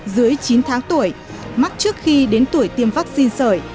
dưới chín tháng tuổi mắc trước khi đến tuổi tiêm vaccine sởi